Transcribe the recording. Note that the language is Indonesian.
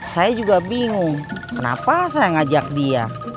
saya juga bingung kenapa saya ngajak dia